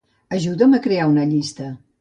Ajuda'm a crear una llista.